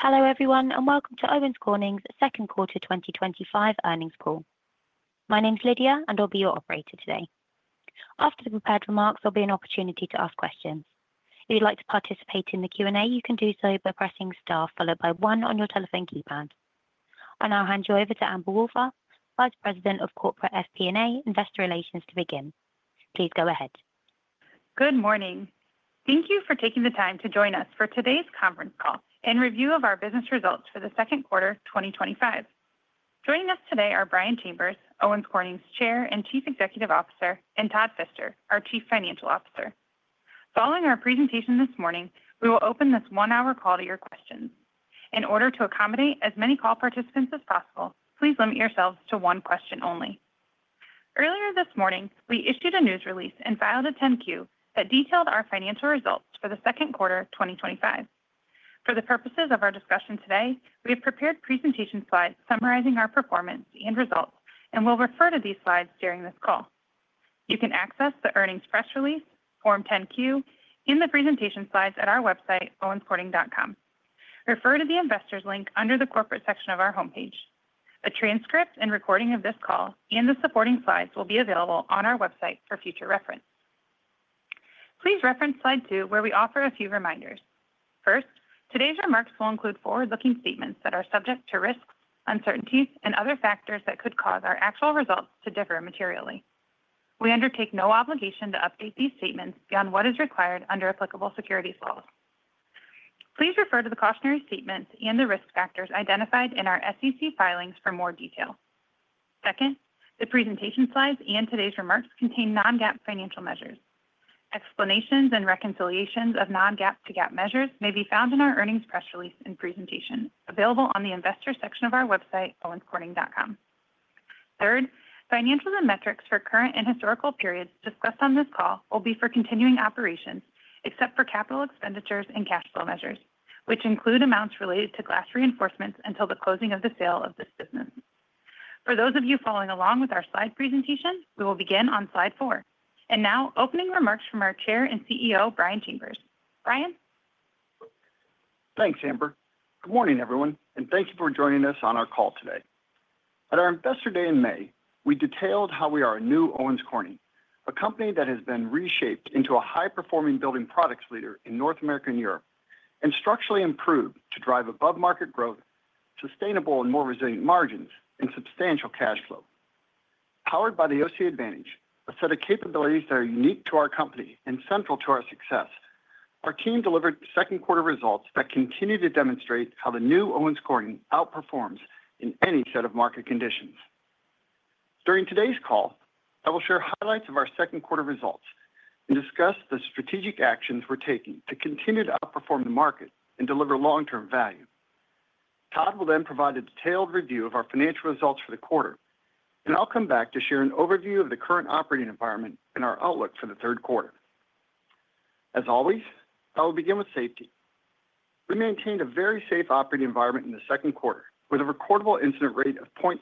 Hello everyone, and welcome to Owens Corning's second quarter 2025 earnings call. My name is Lydia, and I'll be your operator today. After the prepared remarks, there'll be an opportunity to ask questions. If you'd like to participate in the Q&A, you can do so by pressing STAR followed by one on your telephone keypad. I now hand you over to Amber Wohlfarth, Vice President of Corporate FP&A and Investor Relations, to begin. Please go ahead. Good morning. Thank you for taking the time to join us for today's conference call and review of our business results for the second quarter 2025. Joining us today are Brian Chambers, Owens Corning's Chair and Chief Executive Officer, and Todd Fister, our Chief Financial Officer. Following our presentation this morning, we will open this one-hour call to your questions. In order to accommodate as many call participants as possible, please limit yourselves to one question only. Earlier this morning, we issued a news release and filed a 10-Q that detailed our financial results for the second quarter 2025. For the purposes of our discussion today, we have prepared presentation slides summarizing our performance and results, and we'll refer to these slides during this call. You can access the earnings press release, Form 10-Q, and the presentation slides at our website, owenscorning.com. Refer to the investors link under the corporate section of our homepage. A transcript and recording of this call and the supporting slides will be available on our website for future reference. Please reference slide two, where we offer a few reminders. First, today's remarks will include forward-looking statements that are subject to risks, uncertainties, and other factors that could cause our actual results to differ materially. We undertake no obligation to update these statements beyond what is required under applicable securities laws. Please refer to the cautionary statements and the risk factors identified in our SEC filings for more detail. Second, the presentation slides and today's remarks contain non-GAAP financial measures. Explanations and reconciliations of non-GAAP to GAAP measures may be found in our earnings press release and presentation, available on the investor section of our website, owenscorning.com. Third, financials and metrics for current and historical periods discussed on this call will be for continuing operations, except for capital expenditures and cash flow measures, which include amounts related to glass reinforcements until the closing of the sale of this business. For those of you following along with our slide presentation, we will begin on slide four. Now, opening remarks from our Chair and CEO, Brian Chambers. Brian. Thanks, Amber. Good morning, everyone, and thank you for joining us on our call today. At our investor day in May, we detailed how we are a new Owens Corning, a company that has been reshaped into a high-performing building products leader in North America and Europe, and structurally improved to drive above-market growth, sustainable and more resilient margins, and substantial cash flow. Powered by the OC advantage, a set of capabilities that are unique to our company and central to our success, our team delivered second quarter results that continue to demonstrate how the new Owens Corning outperforms in any set of market conditions. During today's call, I will share highlights of our second quarter results and discuss the strategic actions we're taking to continue to outperform the market and deliver long-term value. Todd will then provide a detailed review of our financial results for the quarter, and I'll come back to share an overview of the current operating environment and our outlook for the third quarter. As always, I will begin with safety. We maintained a very safe operating environment in the second quarter with a recordable incident rate of 0.60.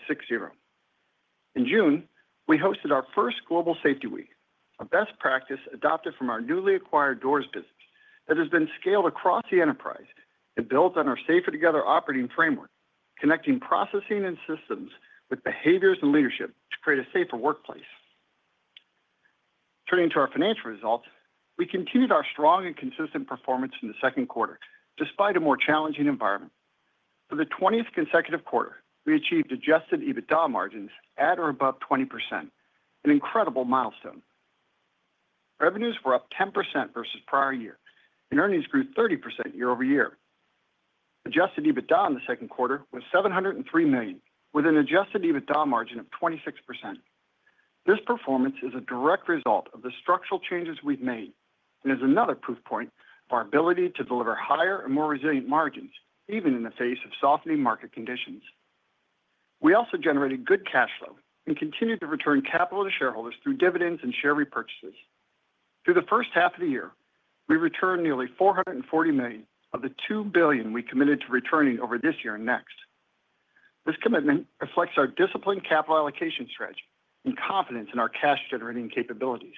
In June, we hosted our first Global Safety Week, a best practice adopted from our newly acquired Doors business that has been scaled across the enterprise and built on our Safer Together operating framework, connecting processing and systems with behaviors and leadership to create a safer workplace. Turning to our financial results, we continued our strong and consistent performance in the second quarter, despite a more challenging environment. For the 20th consecutive quarter, we achieved adjusted EBITDA margins at or above 20%, an incredible milestone. Revenues were up 10% versus prior year, and earnings grew 30% year over year. Adjusted EBITDA in the second quarter was $703 million, with an adjusted EBITDA margin of 26%. This performance is a direct result of the structural changes we've made and is another proof point of our ability to deliver higher and more resilient margins, even in the face of softening market conditions. We also generated good cash flow and continue to return capital to shareholders through dividends and share repurchases. Through the first half of the year, we returned nearly $440 million of the $2 billion we committed to returning over this year and next. This commitment reflects our disciplined capital allocation strategy and confidence in our cash-generating capabilities.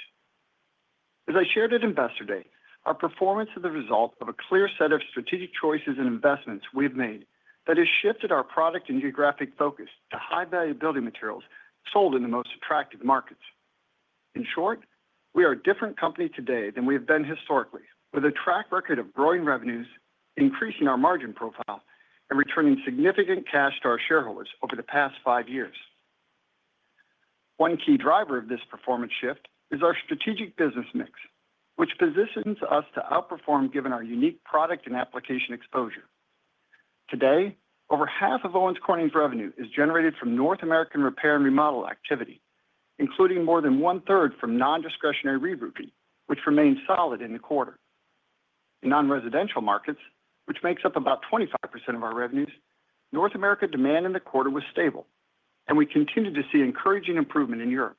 As I shared at Investor Day, our performance is the result of a clear set of strategic choices and investments we've made that have shifted our product and geographic focus to high-value building materials sold in the most attractive markets. In short, we are a different company today than we have been historically, with a track record of growing revenues, increasing our margin profile, and returning significant cash to our shareholders over the past five years. One key driver of this performance shift is our strategic business mix, which positions us to outperform given our unique product and application exposure. Today, over half of Owens Corning's revenue is generated from North American repair and remodel activity, including more than one third from non-discretionary rerouting, which remains solid in the quarter. In non-residential markets, which makes up about 25% of our revenues, North American demand in the quarter was stable, and we continue to see encouraging improvement in Europe.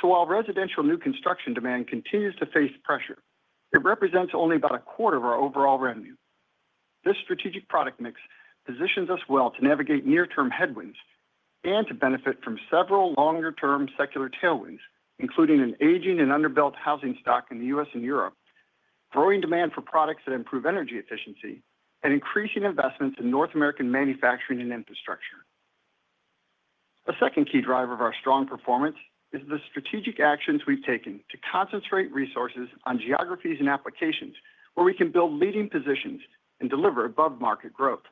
While residential new construction demand continues to face pressure, it represents only about a quarter of our overall revenue. This strategic product mix positions us well to navigate near-term headwinds and to benefit from several longer-term secular tailwinds, including an aging and underbuilt housing stock in the U.S. and Europe, growing demand for products that improve energy efficiency, and increasing investments in North American manufacturing and infrastructure. A second key driver of our strong performance is the strategic actions we've taken to concentrate resources on geographies and applications where we can build leading positions and deliver above-market growth.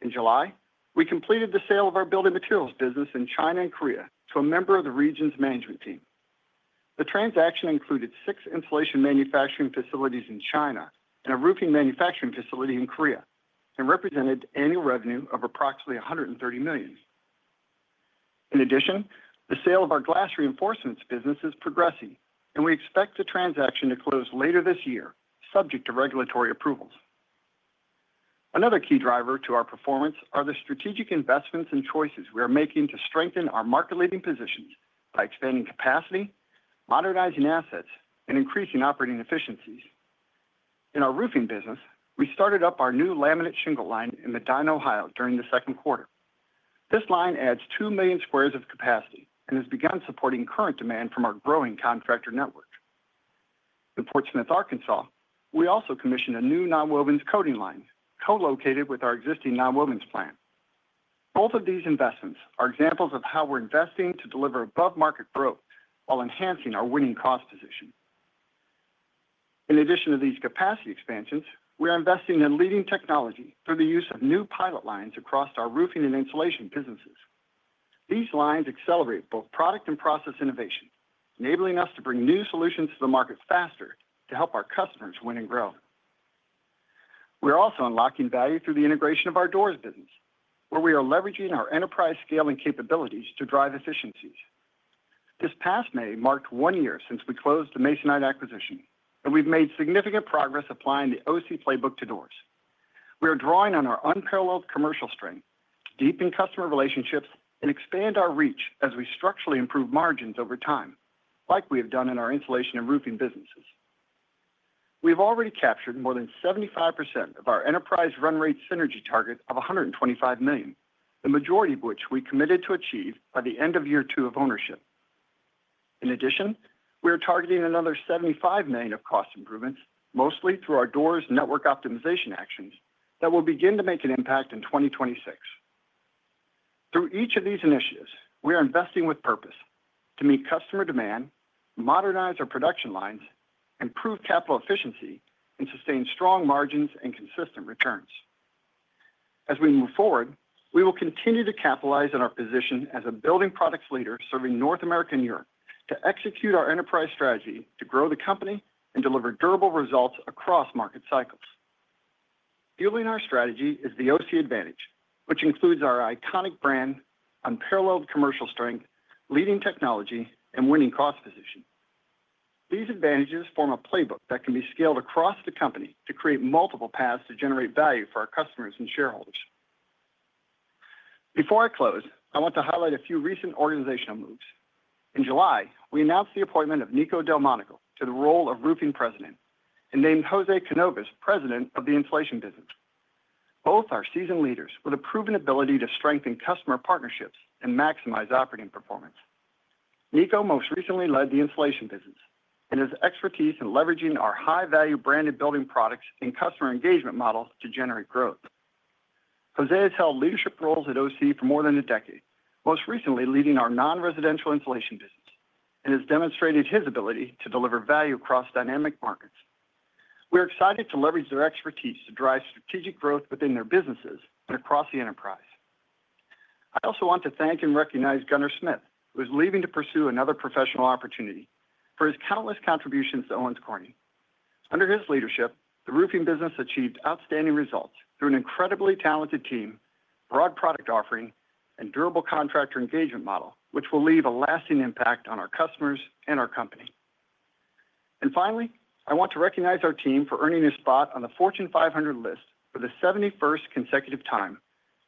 In July, we completed the sale of our building materials business in China and Korea to a member of the region's management team. The transaction included six insulation manufacturing facilities in China and a roofing manufacturing facility in Korea and represented annual revenue of approximately $130 million. In addition, the sale of our glass reinforcements business is progressing, and we expect the transaction to close later this year, subject to regulatory approvals. Another key driver to our performance are the strategic investments and choices we are making to strengthen our market-leading positions by expanding capacity, modernizing assets, and increasing operating efficiencies. In our roofing business, we started up our new laminate shingle line in Medina, Ohio, during the second quarter. This line adds 2 million squares of capacity and has begun supporting current demand from our growing contractor network. In Fort Smith, Arkansas, we also commissioned a new non-woven coating line co-located with our existing non-wovens plant. Both of these investments are examples of how we're investing to deliver above-market growth while enhancing our winning cost position. In addition to these capacity expansions, we are investing in leading technology through the use of new pilot lines across our roofing and insulation businesses. These lines accelerate both product and process innovation, enabling us to bring new solutions to the market faster to help our customers win and grow. We're also unlocking value through the integration of our Doors business, where we are leveraging our enterprise scaling capabilities to drive efficiencies. This past May marked one year since we closed the Masonite acquisition, and we've made significant progress applying the OC playbook to Doors. We are drawing on our unparalleled commercial strength, deepen customer relationships, and expand our reach as we structurally improve margins over time, like we have done in our insulation and roofing businesses. We've already captured more than 75% of our enterprise run rate synergy target of $125 million, the majority of which we committed to achieve by the end of year two of ownership. In addition, we are targeting another $75 million of cost improvements, mostly through our Doors network optimization actions that will begin to make an impact in 2026. Through each of these initiatives, we are investing with purpose to meet customer demand, modernize our production lines, improve capital efficiency, and sustain strong margins and consistent returns. As we move forward, we will continue to capitalize on our position as a building products leader serving North America and Europe to execute our enterprise strategy to grow the company and deliver durable results across market cycles. Fueling our strategy is the OC advantage, which includes our iconic brand, unparalleled commercial strength, leading technology, and winning cost position. These advantages form a playbook that can be scaled across the company to create multiple paths to generate value for our customers and shareholders. Before I close, I want to highlight a few recent organizational moves. In July, we announced the appointment of Nico Del Monaco to the role of Roofing President and named Jose Canovas President of the Insulation Business. Both are seasoned leaders with a proven ability to strengthen customer partnerships and maximize operating performance. Nico most recently led the Insulation Business and has expertise in leveraging our high-value branded building products and customer engagement models to generate growth. Jose has held leadership roles at Owens Corning for more than a decade, most recently leading our non-residential insulation business and has demonstrated his ability to deliver value across dynamic markets. We are excited to leverage their expertise to drive strategic growth within their businesses and across the enterprise. I also want to thank and recognize Gunner Smith, who is leaving to pursue another professional opportunity, for his countless contributions to Owens Corning. Under his leadership, the roofing business achieved outstanding results through an incredibly talented team, broad product offering, and durable contractor engagement model, which will leave a lasting impact on our customers and our company. Finally, I want to recognize our team for earning a spot on the Fortune 500 list for the 71st consecutive time,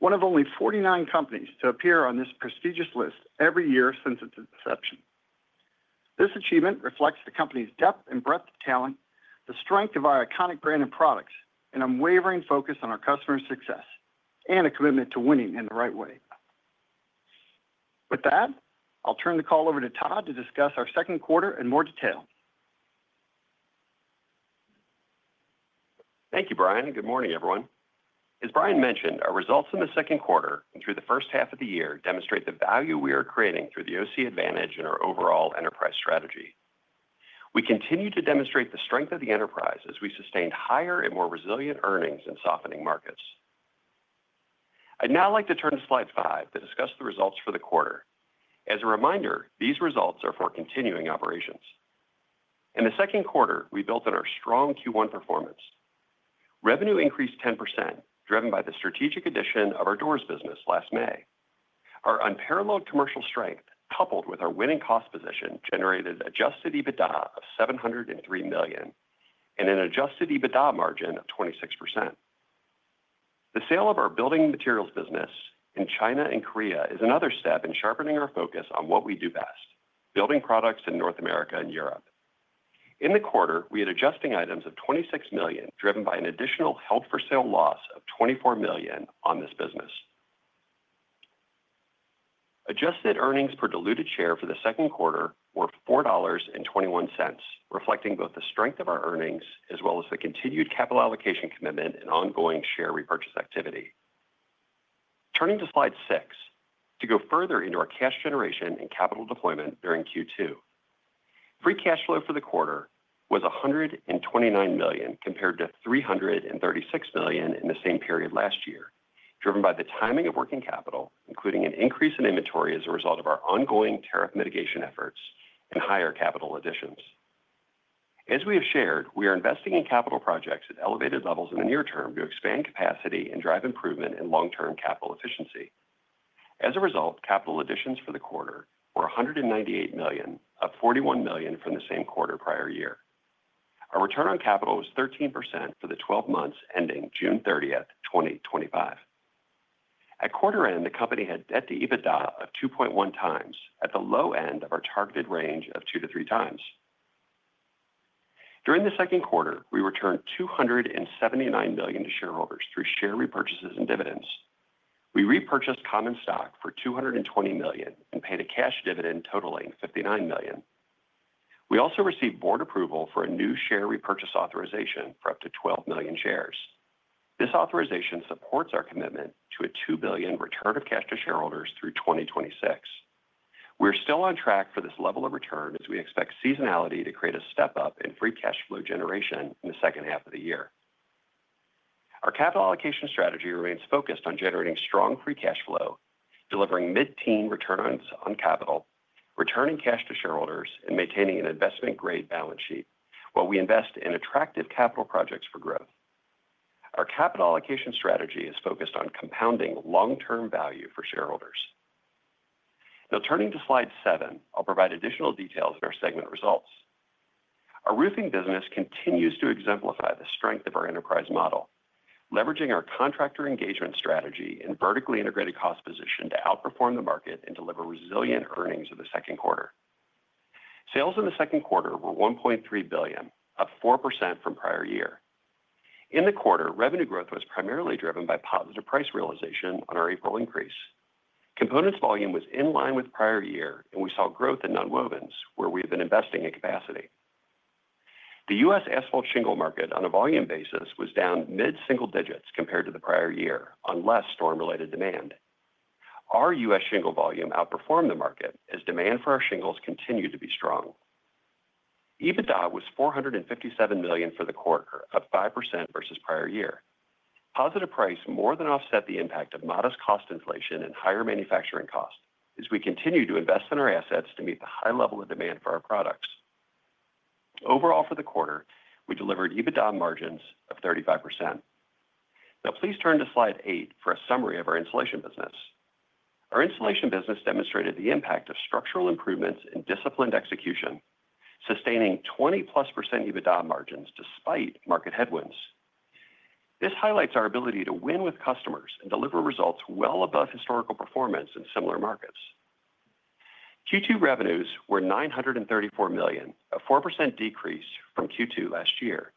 one of only 49 companies to appear on this prestigious list every year since its inception. This achievement reflects the company's depth and breadth of talent, the strength of our iconic branded products, an unwavering focus on our customers' success, and a commitment to winning in the right way. With that, I'll turn the call over to Todd to discuss our second quarter in more detail. Thank you, Brian. Good morning, everyone. As Brian mentioned, our results in the second quarter and through the first half of the year demonstrate the value we are creating through the OC advantage in our overall enterprise strategy. We continue to demonstrate the strength of the enterprise as we sustain higher and more resilient earnings in softening markets. I'd now like to turn to slide five to discuss the results for the quarter. As a reminder, these results are for continuing operations. In the second quarter, we built on our strong Q1 performance. Revenue increased 10%, driven by the strategic addition of our Doors business last May. Our unparalleled commercial strength, coupled with our winning cost position, generated adjusted EBITDA of $703 million and an adjusted EBITDA margin of 26%. The sale of our building materials business in China and Korea is another step in sharpening our focus on what we do best: building products in North America and Europe. In the quarter, we had adjusting items of $26 million, driven by an additional held-for-sale loss of $24 million on this business. Adjusted earnings per diluted share for the second quarter were $4.21, reflecting both the strength of our earnings as well as the continued capital allocation commitment and ongoing share repurchase activity. Turning to slide six to go further into our cash generation and capital deployment during Q2. Free cash flow for the quarter was $129 million compared to $336 million in the same period last year, driven by the timing of working capital, including an increase in inventory as a result of our ongoing tariff mitigation efforts and higher capital additions. As we have shared, we are investing in capital projects at elevated levels in the near term to expand capacity and drive improvement in long-term capital efficiency. As a result, capital additions for the quarter were $198 million, up $41 million from the same quarter prior year. Our return on capital was 13% for the 12 months ending June 30, 2025. At quarter end, the company had debt to EBITDA of 2.1x at the low end of our targeted range of 2x-3x. During the second quarter, we returned $279 million to shareholders through share repurchases and dividends. We repurchased common stock for $220 million and paid a cash dividend totaling $59 million. We also received board approval for a new share repurchase authorization for up to 12 million shares. This authorization supports our commitment to a $2 billion return of cash to shareholders through 2026. We are still on track for this level of return as we expect seasonality to create a step up in free cash flow generation in the second half of the year. Our capital allocation strategy remains focused on generating strong free cash flow, delivering mid-teen returns on capital, returning cash to shareholders, and maintaining an investment-grade balance sheet while we invest in attractive capital projects for growth. Our capital allocation strategy is focused on compounding long-term value for shareholders. Now, turning to slide seven, I'll provide additional details in our segment results. Our roofing business continues to exemplify the strength of our enterprise model, leveraging our contractor engagement strategy and vertically integrated cost position to outperform the market and deliver resilient earnings in the second quarter. Sales in the second quarter were $1.3 billion, up 4% from prior year. In the quarter, revenue growth was primarily driven by positive price realization on our April increase. Components volume was in line with prior year, and we saw growth in non-wovens, where we have been investing in capacity. The U.S. asphalt shingle market on a volume basis was down mid-single digits compared to the prior year on less storm-related demand. Our U.S. shingle volume outperformed the market as demand for our shingles continued to be strong. EBITDA was $457 million for the quarter, up 5% versus prior year. Positive price more than offset the impact of modest cost inflation and higher manufacturing costs as we continue to invest in our assets to meet the high level of demand for our products. Overall, for the quarter, we delivered EBITDA margins of 35%. Now, please turn to slide eight for a summary of our insulation business. Our insulation business demonstrated the impact of structural improvements and disciplined execution, sustaining 20+% EBITDA margins despite market headwinds. This highlights our ability to win with customers and deliver results well above historical performance in similar markets. Q2 revenues were $934 million, a 4% decrease from Q2 last year.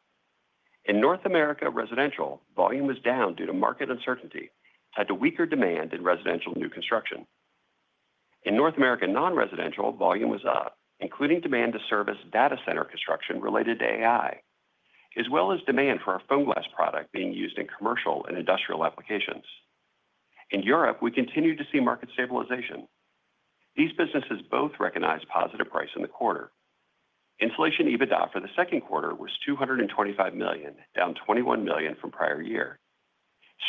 In North America, residential volume was down due to market uncertainty tied to weaker demand in residential new construction. In North America, non-residential volume was up, including demand to service data center construction related to AI, as well as demand for our FOAMGLAS product being used in commercial and industrial applications. In Europe, we continue to see market stabilization. These businesses both recognize positive price in the quarter. Insulation EBITDA for the second quarter was $225 million, down $21 million from prior year.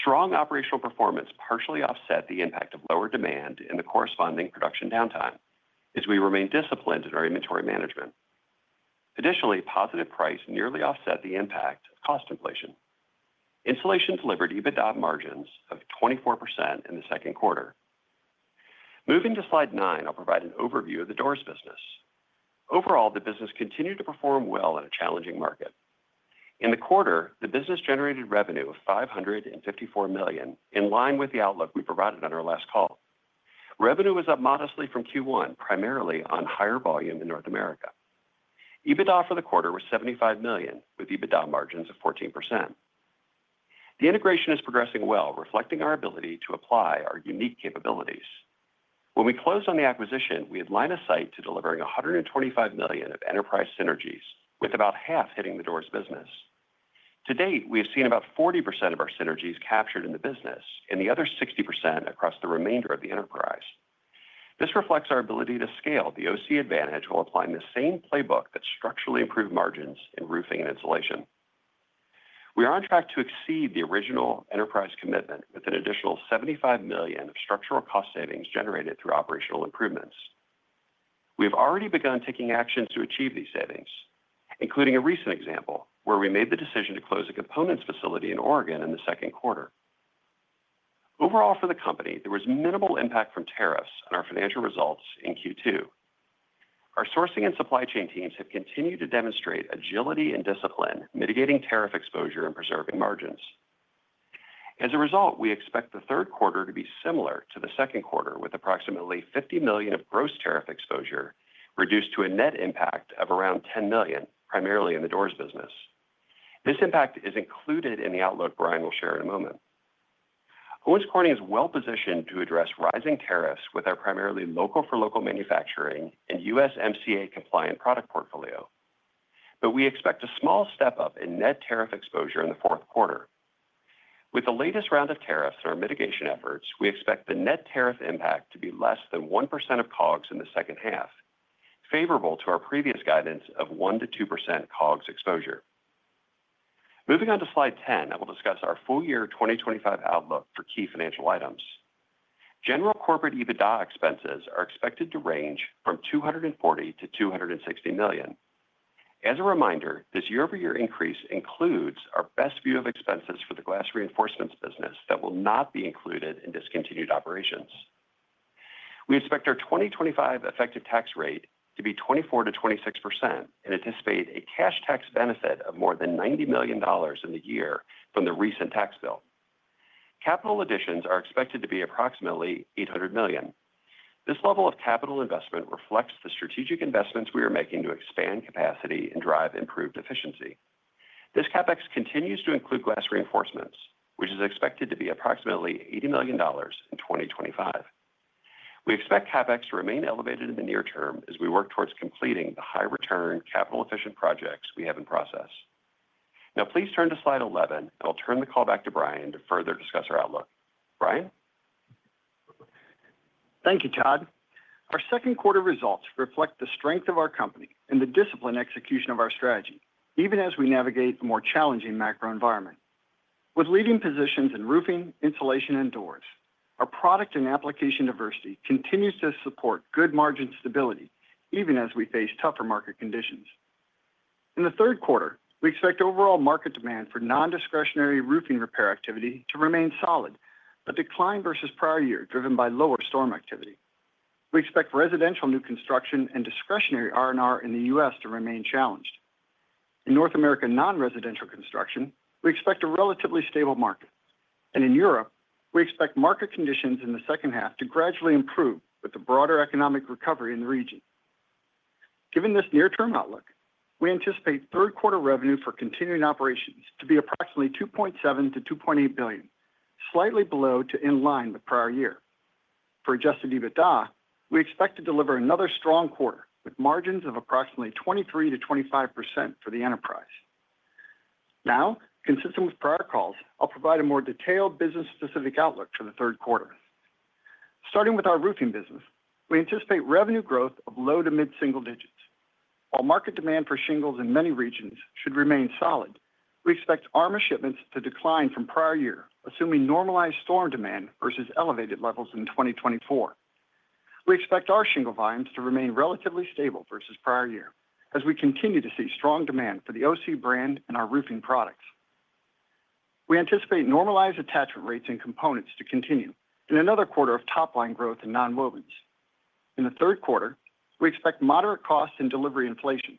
Strong operational performance partially offset the impact of lower demand and the corresponding production downtime as we remain disciplined in our inventory management. Additionally, positive price nearly offset the impact of cost inflation. Insulation delivered EBITDA margins of 24% in the second quarter. Moving to slide nine, I'll provide an overview of the Doors business. Overall, the business continued to perform well in a challenging market. In the quarter, the business generated revenue of $554 million, in line with the outlook we provided on our last call. Revenue was up modestly from Q1, primarily on higher volume in North America. EBITDA for the quarter was $75 million, with EBITDA margins of 14%. The integration is progressing well, reflecting our ability to apply our unique capabilities. When we closed on the acquisition, we had line of sight to delivering $125 million of enterprise synergies, with about half hitting the Doors business. To date, we have seen about 40% of our synergies captured in the business and the other 60% across the remainder of the enterprise. This reflects our ability to scale the OC advantage while applying the same playbook that structurally improved margins in roofing and insulation. We are on track to exceed the original enterprise commitment with an additional $75 million of structural cost savings generated through operational improvements. We have already begun taking action to achieve these savings, including a recent example where we made the decision to close a components facility in Oregon in the second quarter. Overall, for the company, there was minimal impact from tariffs on our financial results in Q2. Our sourcing and supply chain teams have continued to demonstrate agility and discipline, mitigating tariff exposure and preserving margins. As a result, we expect the third quarter to be similar to the second quarter, with approximately $50 million of gross tariff exposure reduced to a net impact of around $10 million, primarily in the Doors business. This impact is included in the outlook Brian will share in a moment. Owens Corning is well positioned to address rising tariffs with our primarily local-for-local manufacturing and U.S. MCA compliant product portfolio, but we expect a small step up in net tariff exposure in the fourth quarter. With the latest round of tariffs and our mitigation efforts, we expect the net tariff impact to be less than 1% of COGS in the second half, favorable to our previous guidance of 1%-2% COGS exposure. Moving on to slide 10, I will discuss our full-year 2025 outlook for key financial items. General corporate EBITDA expenses are expected to range from $240 million to $260 million. As a reminder, this year-over-year increase includes our best view of expenses for the glass reinforcements business that will not be included in discontinued operations. We expect our 2025 effective tax rate to be 24%-26% and anticipate a cash tax benefit of more than $90 million in the year from the recent tax bill. Capital additions are expected to be approximately $800 million. This level of capital investment reflects the strategic investments we are making to expand capacity and drive improved efficiency. This CapEx continues to include glass reinforcements, which is expected to be approximately $80 million in 2025. We expect CapEx to remain elevated in the near term as we work towards completing the high-return, capital-efficient projects we have in process. Now, please turn to slide 11, and I'll turn the call back to Brian to further discuss our outlook. Brian? Thank you, Todd. Our second quarter results reflect the strength of our company and the disciplined execution of our strategy, even as we navigate a more challenging macro environment. With leading positions in roofing, insulation, and doors, our product and application diversity continues to support good margin stability, even as we face tougher market conditions. In the third quarter, we expect overall market demand for non-discretionary roofing repair activity to remain solid, but decline versus prior year, driven by lower storm activity. We expect residential new construction and discretionary R&R in the U.S. to remain challenged. In North America, non-residential construction, we expect a relatively stable market, and in Europe, we expect market conditions in the second half to gradually improve with the broader economic recovery in the region. Given this near-term outlook, we anticipate third quarter revenue for continuing operations to be approximately $2.7 billion-$2.8 billion, slightly below to in line with prior year. For adjusted EBITDA, we expect to deliver another strong quarter with margins of approximately 23%-25% for the enterprise. Now, consistent with prior calls, I'll provide a more detailed business-specific outlook for the third quarter. Starting with our roofing business, we anticipate revenue growth of low to mid-single digits. While market demand for shingles in many regions should remain solid, we expect armor shipments to decline from prior year, assuming normalized storm demand versus elevated levels in 2024. We expect our shingle volumes to remain relatively stable versus prior year, as we continue to see strong demand for the OC brand and our roofing products. We anticipate normalized attachment rates in components to continue in another quarter of top-line growth in non-wovens. In the third quarter, we expect moderate costs in delivery inflation.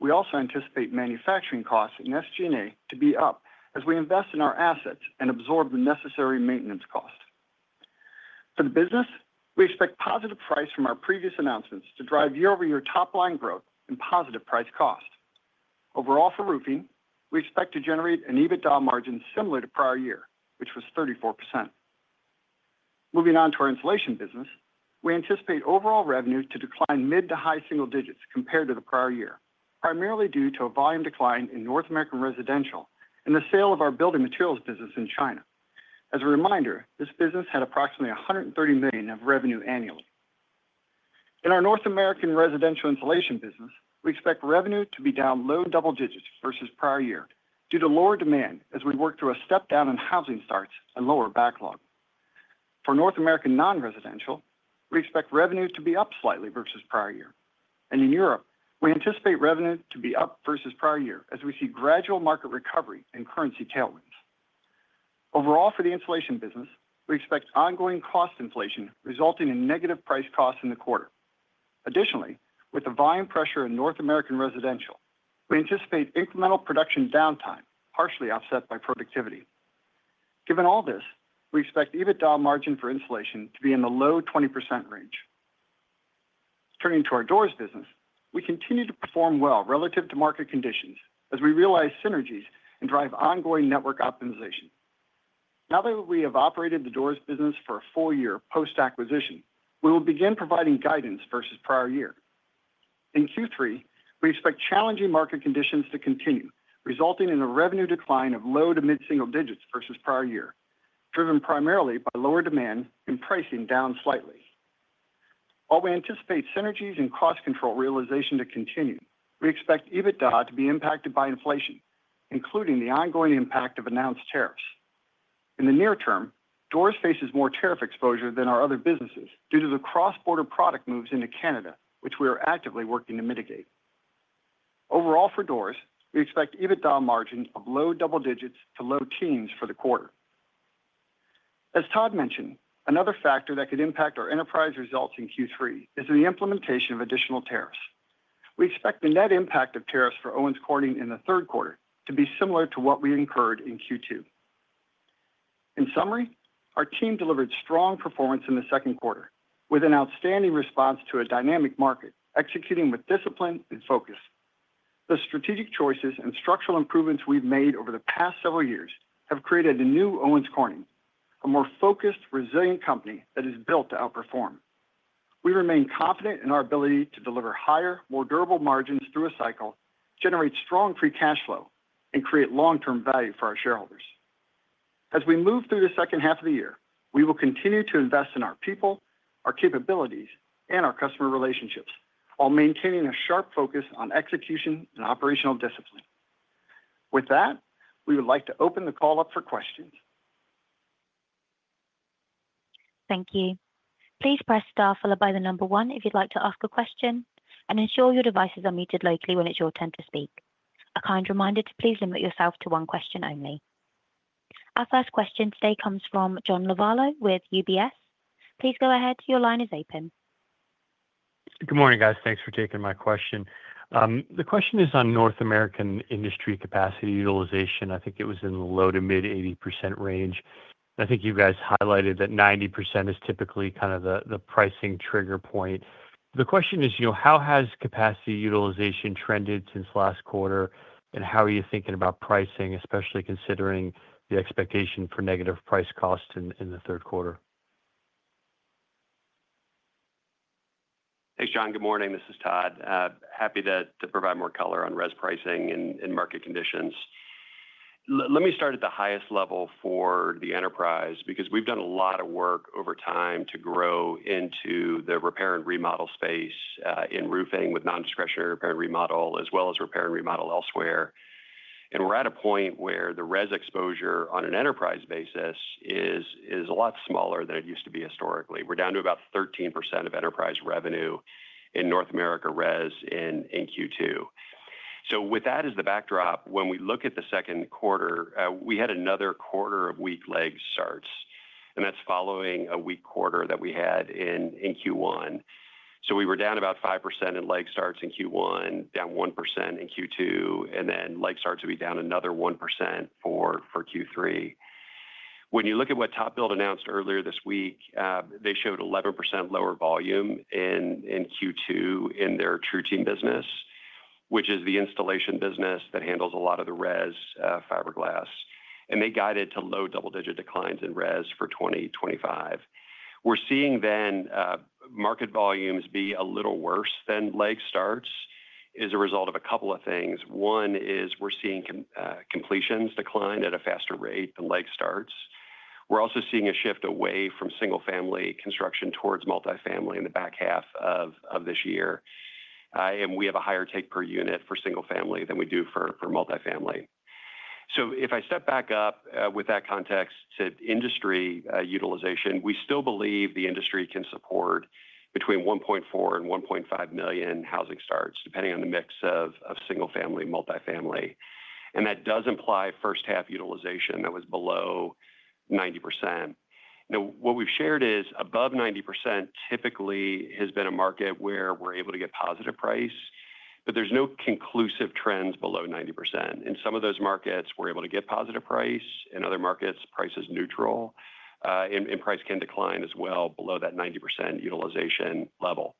We also anticipate manufacturing costs in SG&A to be up as we invest in our assets and absorb the necessary maintenance costs. For the business, we expect positive price from our previous announcements to drive year-over-year top-line growth and positive price cost. Overall, for roofing, we expect to generate an EBITDA margin similar to prior year, which was 34%. Moving on to our insulation business, we anticipate overall revenue to decline mid to high single digits compared to the prior year, primarily due to a volume decline in North American residential and the sale of our building materials business in China. As a reminder, this business had approximately $130 million of revenue annually. In our North American residential insulation business, we expect revenue to be down low double digits versus prior year due to lower demand as we work through a step down in housing starts and lower backlog. For North American non-residential, we expect revenue to be up slightly versus prior year, and in Europe, we anticipate revenue to be up versus prior year as we see gradual market recovery and currency tailwinds. Overall, for the insulation business, we expect ongoing cost inflation resulting in negative price costs in the quarter. Additionally, with the volume pressure in North American residential, we anticipate incremental production downtime, partially offset by productivity. Given all this, we expect EBITDA margin for insulation to be in the low 20% range. Turning to our Doors business, we continue to perform well relative to market conditions as we realize synergies and drive ongoing network optimization. Now that we have operated the Doors business for a full year post-acquisition, we will begin providing guidance versus prior year. In Q3, we expect challenging market conditions to continue, resulting in a revenue decline of low to mid-single digits versus prior year, driven primarily by lower demand and pricing down slightly. While we anticipate synergies and cost control realization to continue, we expect EBITDA to be impacted by inflation, including the ongoing impact of announced tariffs. In the near term, Doors faces more tariff exposure than our other businesses due to the cross-border product moves into Canada, which we are actively working to mitigate. Overall, for Doors, we expect EBITDA margins of low double digits to low teens for the quarter. As Todd mentioned, another factor that could impact our enterprise results in Q3 is the implementation of additional tariffs. We expect the net impact of tariffs for Owens Corning in the third quarter to be similar to what we incurred in Q2. In summary, our team delivered strong performance in the second quarter with an outstanding response to a dynamic market, executing with discipline and focus. The strategic choices and structural improvements we've made over the past several years have created a new Owens Corning, a more focused, resilient company that is built to outperform. We remain confident in our ability to deliver higher, more durable margins through a cycle, generate strong free cash flow, and create long-term value for our shareholders. As we move through the second half of the year, we will continue to invest in our people, our capabilities, and our customer relationships, while maintaining a sharp focus on execution and operational discipline. With that, we would like to open the call up for questions. Thank you. Please press star followed by the number one if you'd like to ask a question, and ensure your devices are muted locally when it's your turn to speak. A kind reminder to please limit yourself to one question only. Our first question today comes from John Lovallo with UBS. Please go ahead, your line is open. Good morning, guys. Thanks for taking my question. The question is on North American industry capacity utilization. I think it was in the low to mid 80% range. I think you guys highlighted that 90% is typically kind of the pricing trigger point. The question is, you know, how has capacity utilization trended since last quarter, and how are you thinking about pricing, especially considering the expectation for negative price costs in the third quarter? Hey, John. Good morning. This is Todd. Happy to provide more color on res pricing and market conditions. Let me start at the highest level for the enterprise because we've done a lot of work over time to grow into the repair and remodel space in roofing with non-discretionary repair and remodel, as well as repair and remodel elsewhere. We're at a point where the res exposure on an enterprise basis is a lot smaller than it used to be historically. We're down to about 13% of enterprise revenue in North America res in Q2. With that as the backdrop, when we look at the second quarter, we had another quarter of weak leg starts, following a weak quarter that we had in Q1. We were down about 5% in leg starts in Q1, down 1% in Q2, and leg starts will be down another 1% for Q3. When you look at what TopBuild announced earlier this week, they showed 11% lower volume in Q2 in their TruTeam business, which is the installation business that handles a lot of the res fiberglass, and they guided to low double-digit declines in res for 2025. We're seeing then market volumes be a little worse than leg starts as a result of a couple of things. One is we're seeing completions decline at a faster rate than leg starts. We're also seeing a shift away from single-family construction towards multifamily in the back half of this year. We have a higher take per unit for single-family than we do for multifamily. If I step back up with that context to industry utilization, we still believe the industry can support between 1.4 and 1.5 million housing starts, depending on the mix of single-family and multifamily. That does imply first-half utilization that was below 90%. What we've shared is above 90% typically has been a market where we're able to get positive price, but there's no conclusive trends below 90%. In some of those markets, we're able to get positive price; in other markets, price is neutral, and price can decline as well below that 90% utilization level.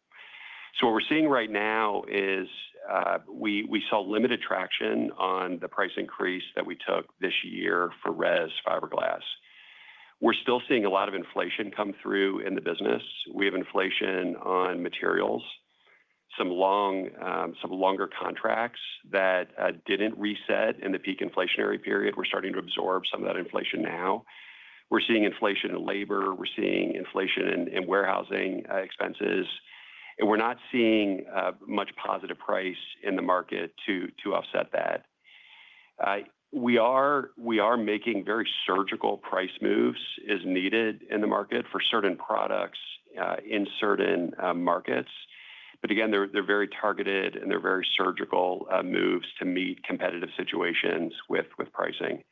What we're seeing right now is we saw limited traction on the price increase that we took this year for res fiberglass. We're still seeing a lot of inflation come through in the business. We have inflation on materials, some longer contracts that didn't reset in the peak inflationary period. We're starting to absorb some of that inflation now. We're seeing inflation in labor. We're seeing inflation in warehousing expenses, and we're not seeing much positive price in the market to offset that. We are making very surgical price moves as needed in the market for certain products in certain markets, but again, they're very targeted and they're very surgical moves to meet competitive situations with pricing.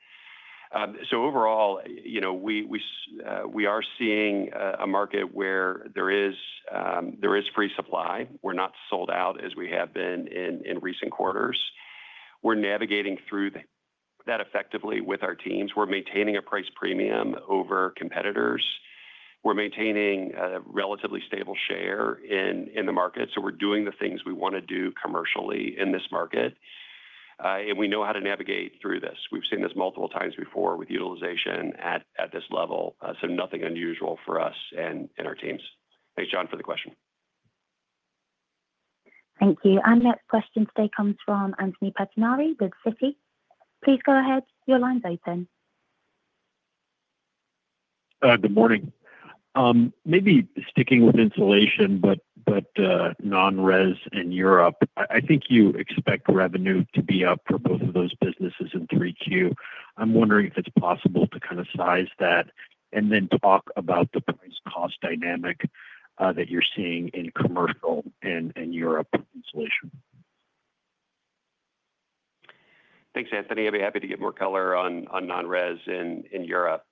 Overall, we are seeing a market where there is free supply. We're not sold out as we have been in recent quarters. We're navigating through that effectively with our teams. We're maintaining a price premium over competitors. We're maintaining a relatively stable share in the market. We're doing the things we want to do commercially in this market, and we know how to navigate through this. We've seen this multiple times before with utilization at this level, so nothing unusual for us and our teams. Thanks, John, for the question. Thank you. Our next question today comes from Anthony Pettinari with Citi. Please go ahead, your line's open. Good morning. Maybe sticking with insulation, but non-res in Europe, I think you expect revenue to be up for both of those businesses in 3Q. I'm wondering if it's possible to kind of size that and then talk about the price-cost dynamic that you're seeing in commercial and Europe insulation. Thanks, Anthony. I'd be happy to get more color on non-res in Europe.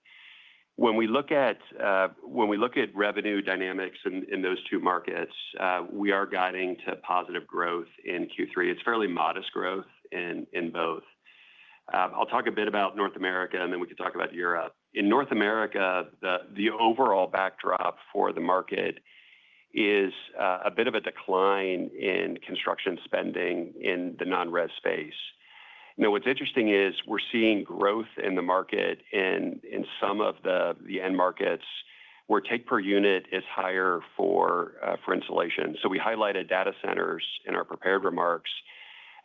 When we look at revenue dynamics in those two markets, we are guiding to positive growth in Q3. It's fairly modest growth in both. I'll talk a bit about North America, and then we can talk about Europe. In North America, the overall backdrop for the market is a bit of a decline in construction spending in the non-res space. What's interesting is we're seeing growth in the market in some of the end markets where take per unit is higher for insulation. We highlighted data centers in our prepared remarks,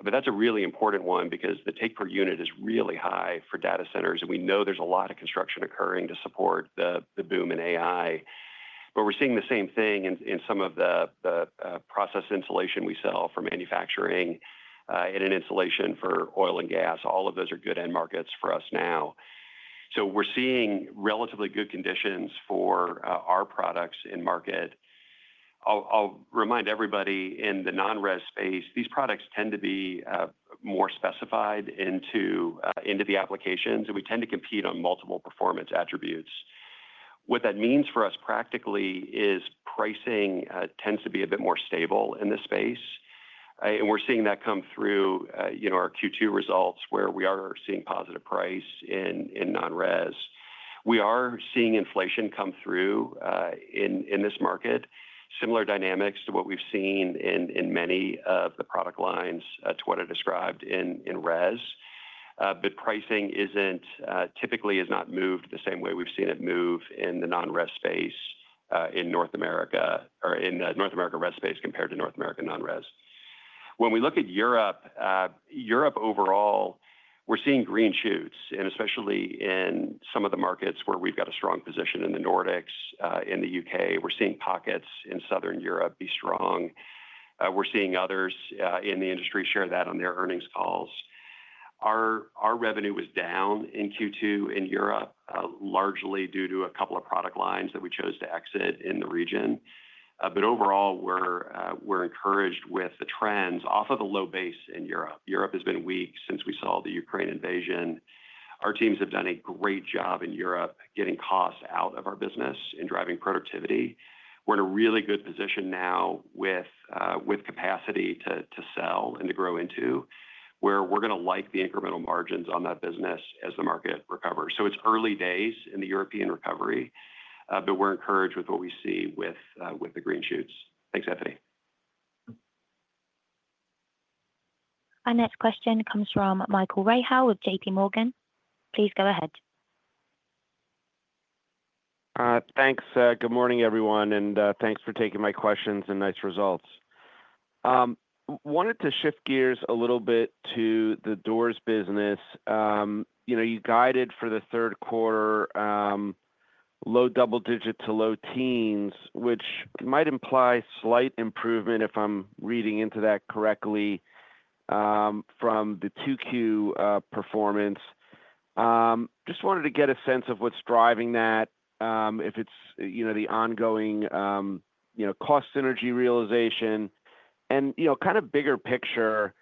but that's a really important one because the take per unit is really high for data centers, and we know there's a lot of construction occurring to support the boom in AI. We're seeing the same thing in some of the process insulation we sell for manufacturing and in insulation for oil and gas. All of those are good end markets for us now. We're seeing relatively good conditions for our products in market. I'll remind everybody in the non-res space, these products tend to be more specified into the applications, and we tend to compete on multiple performance attributes. What that means for us practically is pricing tends to be a bit more stable in this space, and we're seeing that come through our Q2 results where we are seeing positive price in non-res. We are seeing inflation come through in this market, similar dynamics to what we've seen in many of the product lines to what I described in res, but pricing typically has not moved the same way we've seen it move in the non-res space in North America or in the North American res space compared to North American non-res. When we look at Europe, Europe overall, we're seeing green shoots, and especially in some of the markets where we've got a strong position in the Nordics, in the U.K., we're seeing pockets in Southern Europe be strong. We're seeing others in the industry share that on their earnings calls. Our revenue was down in Q2 in Europe, largely due to a couple of product lines that we chose to exit in the region. Overall, we're encouraged with the trends off of a low base in Europe. Europe has been weak since we saw the Ukraine invasion. Our teams have done a great job in Europe getting costs out of our business and driving productivity. We're in a really good position now with capacity to sell and to grow into, where we're going to like the incremental margins on that business as the market recovers. It's early days in the European recovery, but we're encouraged with what we see with the green shoots. Thanks, Anthony. Our next question comes from Michael Rehaut of JPMorgan. Please go ahead. Thanks. Good morning, everyone, and thanks for taking my questions and nice results. Wanted to shift gears a little bit to the Doors business. You guided for the third quarter low double digit to low teens, which might imply slight improvement if I'm reading into that correctly from the 2Q performance. Just wanted to get a sense of what's driving that, if it's the ongoing cost synergy realization, and kind of bigger picture.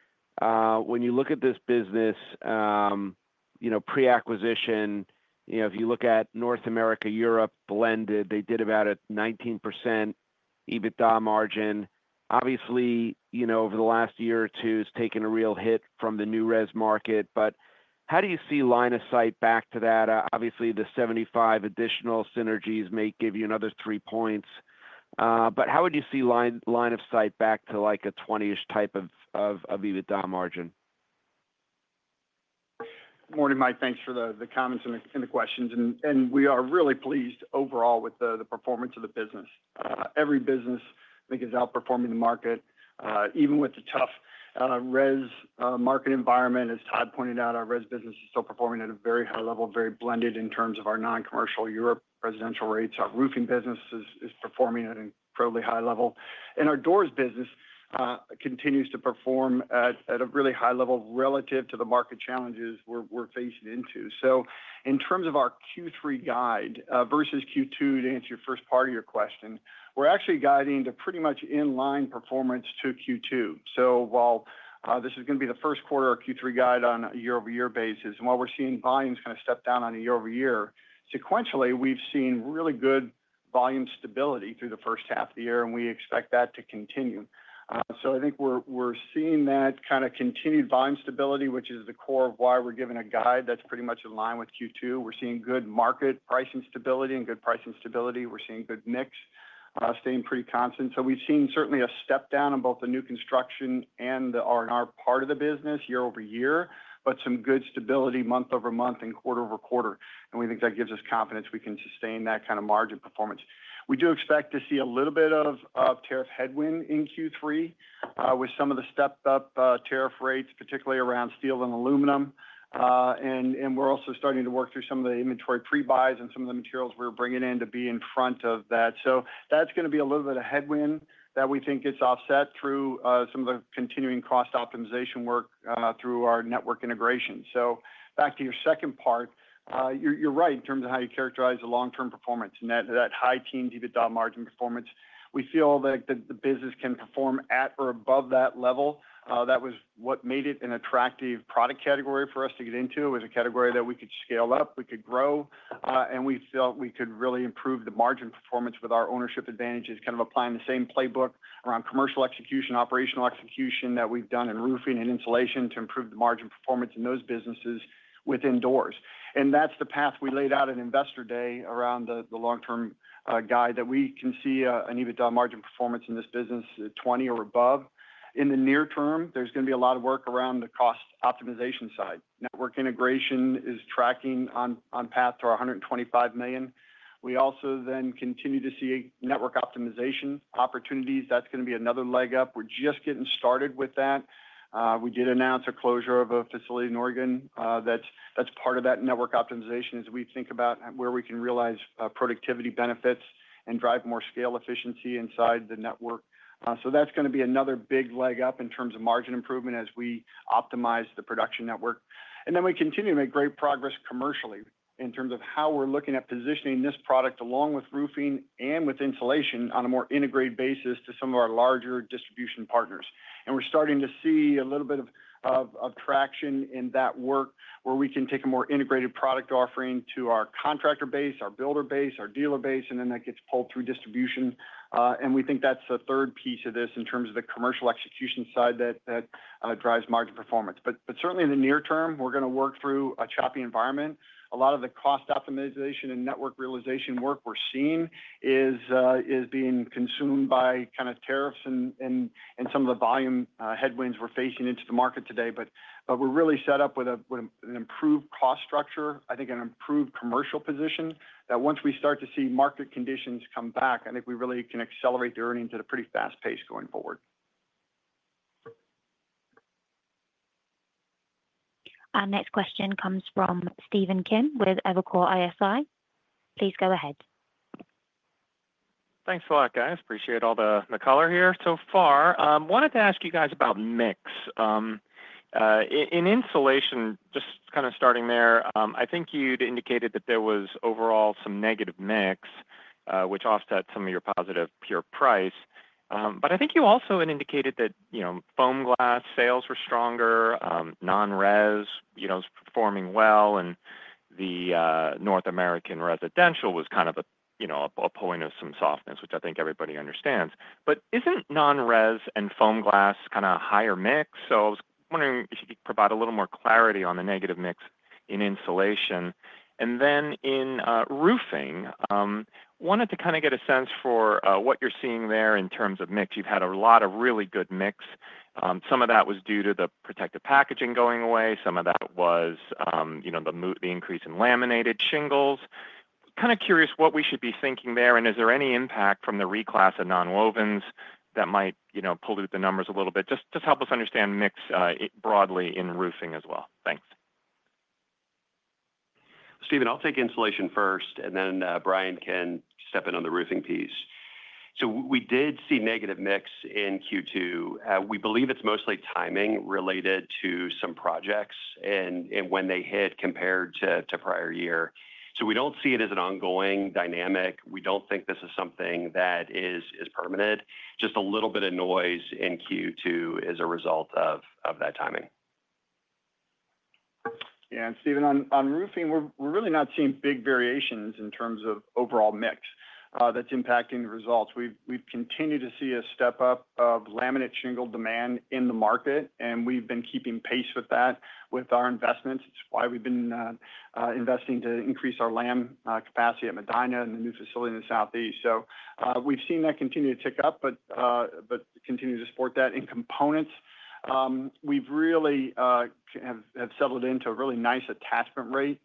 When you look at this business pre-acquisition, if you look at North America, Europe blended, they did about a 19% EBITDA margin. Obviously, over the last year or two, it's taken a real hit from the new res market, but how do you see line of sight back to that? Obviously, the 75 additional synergies may give you another three points, but how would you see line of sight back to like a 20-ish type of EBITDA margin? Morning, Mike. Thanks for the comments and the questions, and we are really pleased overall with the performance of the business. Every business, I think, is outperforming the market, even with the tough res market environment. As Todd pointed out, our res business is still performing at a very high level, very blended in terms of our non-commercial Europe residential rates. Our roofing business is performing at an incredibly high level, and our Doors business continues to perform at a really high level relative to the market challenges we're facing into. In terms of our Q3 guide versus Q2, to answer your first part of your question, we're actually guiding to pretty much in-line performance to Q2. This is going to be the first quarter of Q3 guide on a year-over-year basis, and while we're seeing volumes kind of step down on a year-over-year, sequentially, we've seen really good volume stability through the first half of the year, and we expect that to continue. I think we're seeing that kind of continued volume stability, which is the core of why we're giving a guide that's pretty much in line with Q2. We're seeing good market pricing stability and good pricing stability. We're seeing good mix staying pretty constant. We've seen certainly a step down on both the new construction and the R&R part of the business year-over-year, but some good stability month over month and quarter over quarter, and we think that gives us confidence we can sustain that kind of margin performance. We do expect to see a little bit of tariff headwind in Q3 with some of the stepped-up tariff rates, particularly around steel and aluminum, and we're also starting to work through some of the inventory pre-buys and some of the materials we're bringing in to be in front of that. That's going to be a little bit of headwind that we think gets offset through some of the continuing cost optimization work through our network integration. Back to your second part, you're right in terms of how you characterize the long-term performance and that high teens EBITDA margin performance. We feel that the business can perform at or above that level. That was what made it an attractive product category for us to get into. It was a category that we could scale up, we could grow, and we felt we could really improve the margin performance with our ownership advantages, kind of applying the same playbook around commercial execution, operational execution that we've done in roofing and insulation to improve the margin performance in those businesses within doors. That's the path we laid out at investor day around the long-term guide that we can see an EBITDA margin performance in this business at 20% or above. In the near term, there's going to be a lot of work around the cost optimization side. Network integration is tracking on path to our $125 million. We also then continue to see network optimization opportunities. That's going to be another leg up. We're just getting started with that. We did announce a closure of a facility in Oregon. That's part of that network optimization as we think about where we can realize productivity benefits and drive more scale efficiency inside the network. That's going to be another big leg up in terms of margin improvement as we optimize the production network. We continue to make great progress commercially in terms of how we're looking at positioning this product along with roofing and with insulation on a more integrated basis to some of our larger distribution partners. We're starting to see a little bit of traction in that work where we can take a more integrated product offering to our contractor base, our builder base, our dealer base, and then that gets pulled through distribution. We think that's the third piece of this in terms of the commercial execution side that drives margin performance. Certainly, in the near term, we're going to work through a choppy environment. A lot of the cost optimization and network realization work we're seeing is being consumed by kind of tariffs and some of the volume headwinds we're facing into the market today. We're really set up with an improved cost structure, I think, and an improved commercial position that once we start to see market conditions come back, I think we really can accelerate the earnings at a pretty fast pace going forward. Our next question comes from Stephen Kim with Evercore ISI. Please go ahead. Thanks a lot, guys. Appreciate all the color here so far. Wanted to ask you guys about mix in insulation, just kind of starting there. I think you'd indicated that there was overall some negative mix, which offset some of your positive pure price. I think you also had indicated that FOAMGLAS sales were stronger, non-res was performing well, and the North American residential was kind of a point of some softness, which I think everybody understands. Isn't non-res and FOAMGLAS kind of a higher mix? I was wondering if you could provide a little more clarity on the negative mix in insulation. In roofing, wanted to kind of get a sense for what you're seeing there in terms of mix. You've had a lot of really good mix. Some of that was due to the protective packaging going away. Some of that was the increase in laminate shingles. Kind of curious what we should be thinking there, and is there any impact from the reclass of non-wovens that might pollute the numbers a little bit? Just help us understand mix broadly in roofing as well. Thanks. Stephen, I'll take insulation first, and then Brian can step in on the roofing piece. We did see negative mix in Q2. We believe it's mostly timing related to some projects and when they hit compared to prior year. We don't see it as an ongoing dynamic. We don't think this is something that is permanent. Just a little bit of noise in Q2 is a result of that timing. Yeah, and Stephen, on Roofing, we're really not seeing big variations in terms of overall mix that's impacting the results. We've continued to see a step up of laminate shingle demand in the market, and we've been keeping pace with that with our investments. It's why we've been investing to increase our laminate shingle capacity at Medina and the new facility in the Southeast. We've seen that continue to tick up, but continue to support that in components. We've really settled into a really nice attachment rate.